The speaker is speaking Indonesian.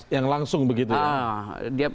yang langsung begitu ya